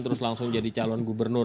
terus langsung jadi calon gubernur